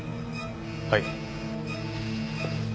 はい。